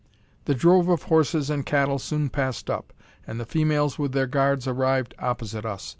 The drove of horses and cattle soon passed up, and the females with their guards arrived opposite us.